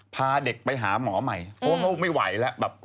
พาเด็กไปหาหมอใหม่เพราะว่าลูกไม่ไหวแล้วแบบ